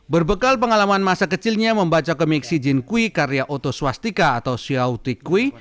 berbekal pengalaman masa kecilnya membaca komik shijinkui karya otoswastika atau syautikui